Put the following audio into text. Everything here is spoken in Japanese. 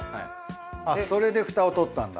それで蓋を取ったんだ。